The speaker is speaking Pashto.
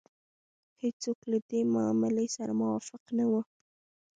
هېڅوک له دې معاملې سره موافق نه وو.